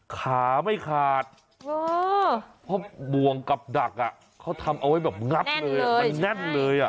ขาไม่ขาดเพราะบ่วงกับดักเขาทำเอาไว้แบบงับเลยมันแน่นเลย